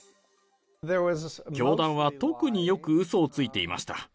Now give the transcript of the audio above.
教団は特によくうそをついていました。